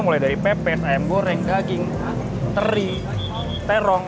mulai dari pepes ayam goreng dan pemburu